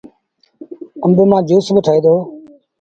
آݩب مآݩ جُوس با ٺهي دو۔